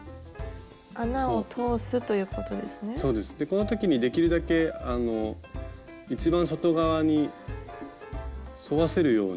この時にできるだけあの一番外側に沿わせるように留めつけて。